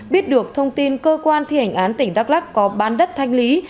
biết được thông tin cơ quan thi hành án tỉnh đắk lắc có bán đất thanh lý